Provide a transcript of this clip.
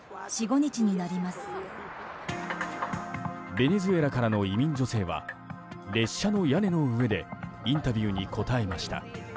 ベネズエラからの移民女性は列車の屋根の上でインタビューに答えました。